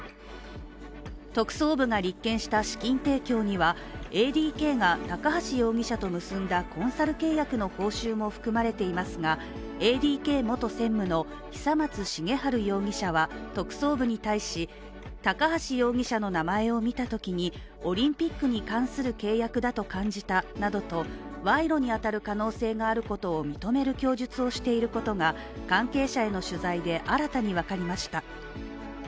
特捜部が立件した資金提供にはＡＤＫが高橋容疑者と結んだコンサル契約の報酬も含まれていますがＡＤＫ元専務の久松茂治容疑者は特捜部に対し、高橋容疑者の名前を見たときにオリンピックに関する契約だと感じたなどと賄賂に当たる可能性があることを認める供述をしていることが関係者への取材で新たに分かりました。